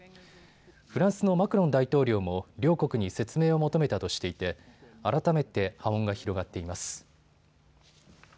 フランスのマクロン大統領も両国に説明を求めたとしていて改めて波紋が広がっています。